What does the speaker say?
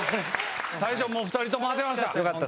大将２人とも当てました。